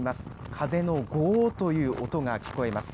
風のごうっという音が聞こえます。